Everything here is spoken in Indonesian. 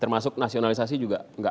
termasuk nasionalisasi juga